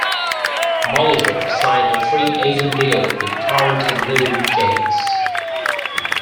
Molitor signed a free-agent deal with the Toronto Blue Jays.